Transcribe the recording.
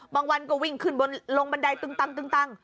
บางวันก็วิ่งขึ้นลงบันไดตึงตัง